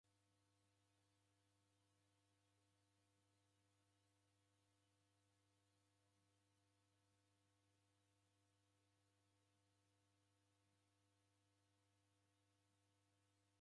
W'arumiriane kubonyanya kazi eri kuinja w'uhalifu.